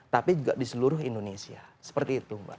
tapi juga di seluruh indonesia seperti itu mbak